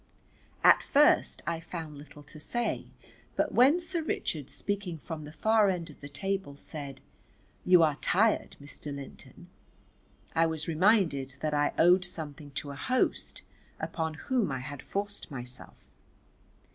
At first I found little to say, but when Sir Richard speaking from the far end of the table said, "You are tired, Mr. Linton," I was reminded that I owed something to a host upon whom I had forced myself.